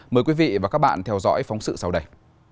mời quý vị và các bạn theo dõi phóng sự sau đây